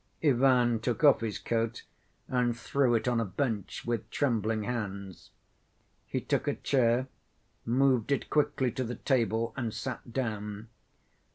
Ivan took off his coat and threw it on a bench with trembling hands. He took a chair, moved it quickly to the table and sat down.